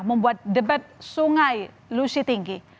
membuat debat sungai lusi tinggi